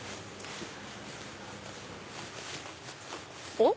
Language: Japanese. おっ？